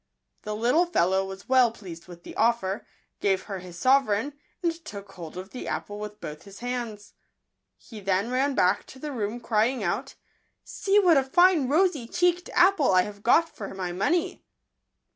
The little fellow was well pleased with the offer, gave her his sovereign, and took hold of the apple with both his hands. He then ran back to the room, crying out, " See what a fine rosy cheeked apple I have got for my money